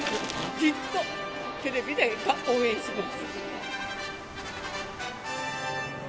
じっとテレビで応援します。